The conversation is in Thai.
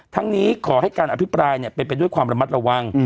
นี้ขอให้การอภิปรายเป็นไปด้วยความระมัดระวัง